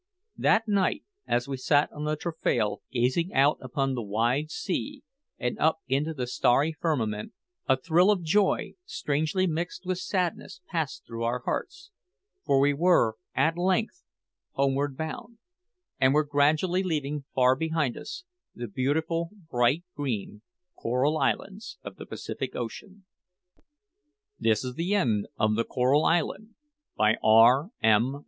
That night, as we sat on the taffrail gazing out upon the wide sea and up into the starry firmament, a thrill of joy, strangely mixed with sadness, passed through our hearts; for we were at length "homeward bound" and were gradually leaving far behind us the beautiful, bright green coral islands of the Pacific Ocean. End of the Project Gutenberg EBook of The Coral Island, by R.M.